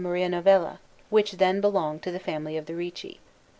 Maria Novella, which then belonged to the family of the Ricci.